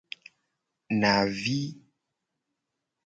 Navi.